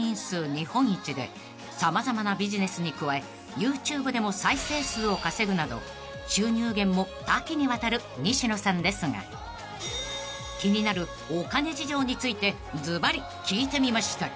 ［様々なビジネスに加えＹｏｕＴｕｂｅでも再生数を稼ぐなど収入源も多岐にわたる西野さんですが気になるお金事情についてずばり聞いてみました］